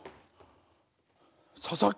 佐々木。